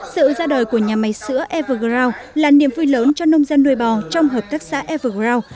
sự ra đời của nhà máy sữa evergrow là niềm vui lớn cho nông dân nuôi bò trong hợp tác xã evergrow